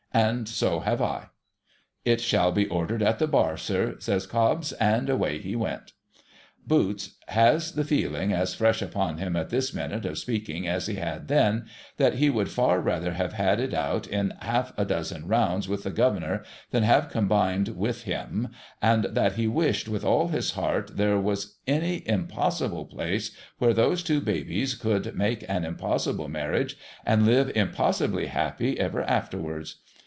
And so have L' ' It shall be ordered at the bar, sir,' says Cobbs ; and away he went. J5oots has the feeling as fresh upon him at this minute of speaking as he had then, that he would far rather have had it out in half a dozen rounds with the Governor than have combined with him ; and that he wished with all his heart there was any impossible place where those two babies could make an impossible marriage, and live impossibly happy ever afterwards.